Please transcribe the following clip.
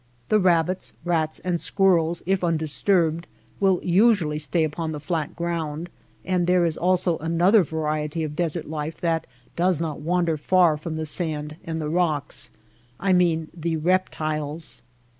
The rabbits, rats, and squirrels, if undisturbed, will usually stay upon the flat ground ; and there is also an other variety of desert life that does not wander far from the sand and the rocks. I mean the reptiles.